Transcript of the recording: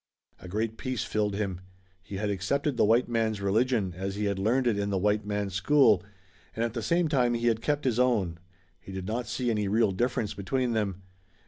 A great peace filled him. He had accepted the white man's religion as he had learned it in the white man's school, and at the same time he had kept his own. He did not see any real difference between them.